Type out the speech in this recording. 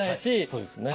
そうですね。